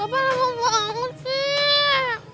bapak lama banget sih